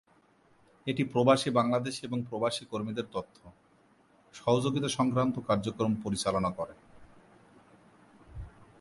এটি প্রবাসী বাংলাদেশী এবং প্রবাসী কর্মীদের তথ্য, সহযোগীতা সংক্রান্ত কার্যক্রম পরিচালনা করে।